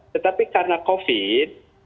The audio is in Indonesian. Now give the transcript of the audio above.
tetapi karena covid sembilan belas